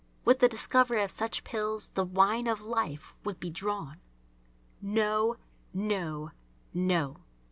With the discovery of such pills the wine of life would be drawn. No! No! No!